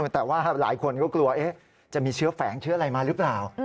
แต่ว่าหลายคนก็กลัวจะมีเชื้อแฝงเชื้ออะไรมาหรือเปล่า